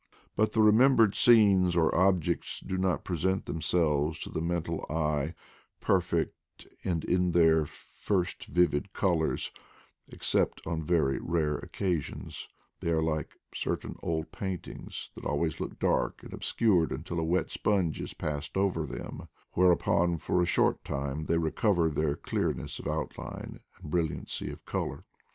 But the remembered scenes or objects do not present themselves to the mental eye perfect and in their first vivid colors, except on very rare occasions ; they are like certain old paintings that always look dark and obscured until a wet sponge is passed over them, whereupon for a short time they recover their clearness of outline and bril liancy of color.